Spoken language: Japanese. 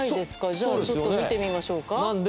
じゃちょっと見てみましょうか。